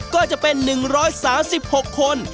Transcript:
ก็จะเป็น๑๓๖คน